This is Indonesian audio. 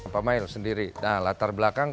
pak mail sendiri nah latar belakang